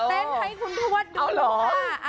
เต้นให้คุณทวดดูค่ะ